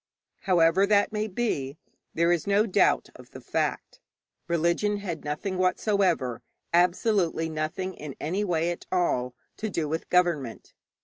However that may be, there is no doubt of the fact. Religion had nothing whatever absolutely nothing in any way at all to do with government.